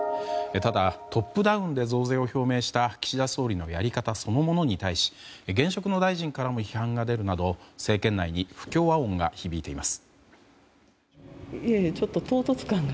ただ、トップダウンで増税を表明した岸田総理のやり方そのものに対し現職の大臣からも批判が出るなど政権内に不協和音が響いています。